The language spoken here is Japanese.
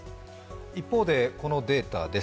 一方でこのデータです。